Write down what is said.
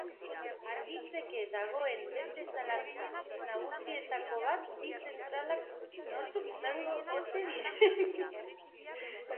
Argitzeke dagoen beste zalantza nagusietako bat bi zentralak nortzuk izango ote diren.